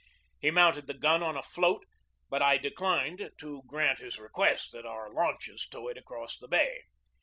He mounted the gun on a float, but I declined to grant his request that our launches tow it across the bay.